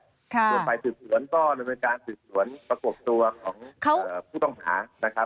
ส่วนฝ่ายสืบสวนก็เป็นการสืบสวนประกบตัวของผู้ต้องหา